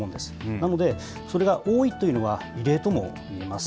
なので、それが多いというのは、異例ともいえます。